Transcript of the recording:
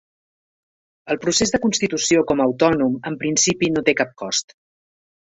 El procés de constitució com a autònom, en principi, no té cap cost.